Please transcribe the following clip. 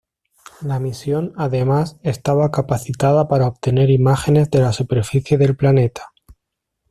La misión además estaba capacitada para obtener imágenes de la superficie del planeta.